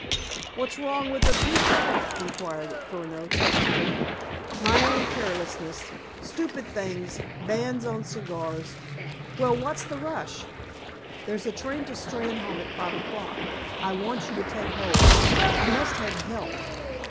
"What's wrong with the toofa?" inquired Furneaux testily. "My own carelessness. Stupid things, bands on cigars.... Well, what's the rush?" "There's a train to Steynholme at five o'clock. I want you to take hold. I must have help.